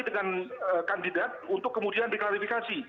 dengan kandidat untuk kemudian diklarifikasi